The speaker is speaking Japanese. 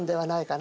な